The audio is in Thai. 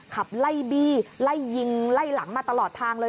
ขับไล่บี้ไล่ยิงไล่หลังมาตลอดทางเลย